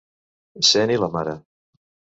Cent i la mare.